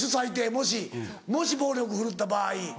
もしもし暴力振るった場合。